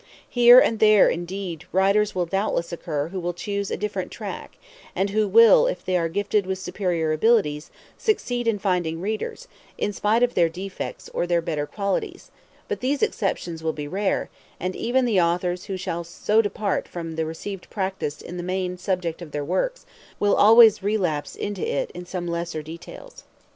Here and there, indeed, writers will doubtless occur who will choose a different track, and who will, if they are gifted with superior abilities, succeed in finding readers, in spite of their defects or their better qualities; but these exceptions will be rare, and even the authors who shall so depart from the received practice in the main subject of their works, will always relapse into it in some lesser details.